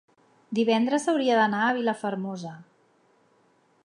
Divendres hauria d'anar a Vilafermosa.